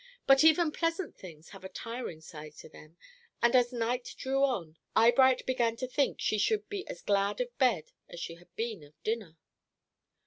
But even pleasant things have a tiring side to them, and as night drew on, Eyebright began to think she should be as glad of bed as she had been of dinner.